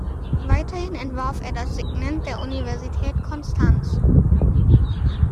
Weiterhin entwarf er das Signet der Universität Konstanz.